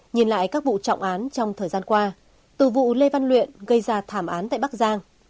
nhìn lại các vụ trọng án trong thời gian qua từ vụ lê văn luyện gây ra thảm án tại bắc giang